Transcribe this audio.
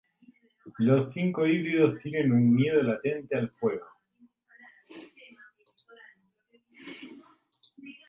Los cinco híbridos tienen un miedo latente al fuego.